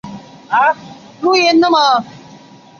苞叶蓟为菊科蓟属的植物。